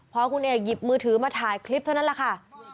พอคุณเอกหยิบมือถือมาถ่ายคลิปเท่านั้นแหละค่ะ